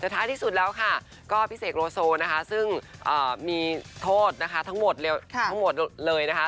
ธ้าที่สุดแล้วพิเศษโลโซซึ่งมีโทษทั้งหมดเลย